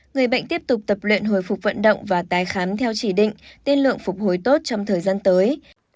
người bệnh tiếp tục tập luyện hồi phục vận động và tái khám theo chỉ định tiên lượng phục hồi tốt trong thời gian tới